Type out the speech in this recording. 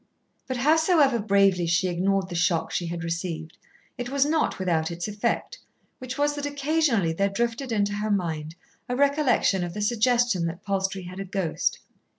But howsoever bravely she ignored the shock she had received, it was not without its effect, which was that occasionally there drifted into her mind a recollection of the suggestion that Palstrey had a ghost.